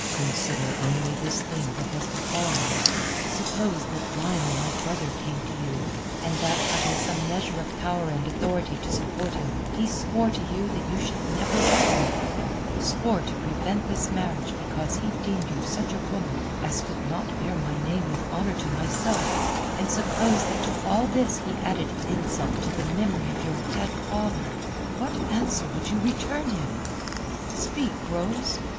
Consider only this thing that has befallen. Suppose that Lionel my brother came to you, and that, having some measure of power and authority to support him, he swore to you that you should never wed me, swore to prevent this marriage because he deemed you such a woman as could not bear my name with honour to myself; and suppose that to all this he added insult to the memory of your dead father, what answer would you return him? Speak, Rose!